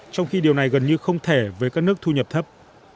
trong khi điều này gần như không thể với các nước thu nhập thấp